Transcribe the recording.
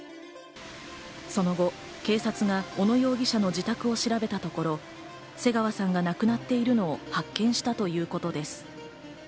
その後、警察が小野容疑者の自宅を調べたところ、瀬川さんが亡くなっているのを発見したということです。